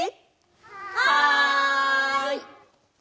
はい！